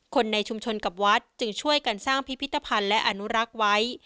คนในชุมชนกับวัดจึงช่วยกันสร้างพิพิธภัณฑ์และอนุรักษ์ไว้